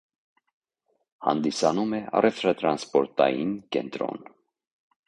Հանդիսանում է առևտրատրանսպորտային կենտրոն։